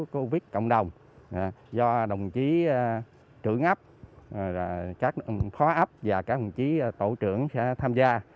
covid một mươi chín cộng đồng do đồng chí trưởng ấp các khóa ấp và các đồng chí tổ trưởng sẽ tham gia